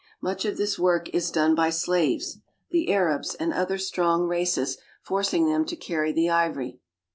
Much of this work is done by ' slaves, the Arabs and other strong races forc ing them to carry the ivory.